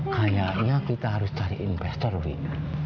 kayaknya kita harus cari investor lebih